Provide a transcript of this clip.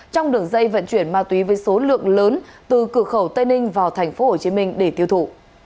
trong đường dây vận chuyển ma túy với số lượng lớn từ cửa khẩu tây ninh vào tp hcm để tiêu thụ